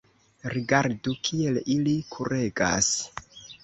rigardu, kiel ili kuregas.